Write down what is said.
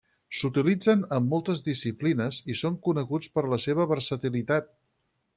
S'utilitzen en moltes disciplines i són coneguts per la seva versatilitat.